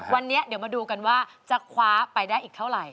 วันนี้เดี๋ยวมาดูกันว่าจะคว้าไปได้อีกเท่าไหร